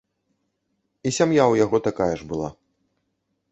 І сям'я ў яго такая ж была.